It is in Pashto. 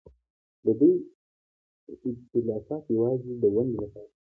د دوی ائتلاف یوازې د ونډې لپاره دی.